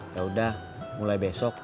yaudah mulai besok